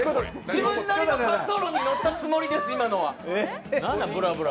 自分なりの滑走路に乗ったつもりです、今のは。